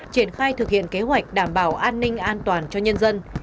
triển khai thực hiện kế hoạch đảm bảo an ninh an toàn cho nhân dân